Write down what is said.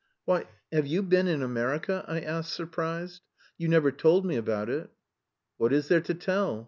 "Why, have you been in America?" I asked, surprised. "You never told me about it." "What is there to tell?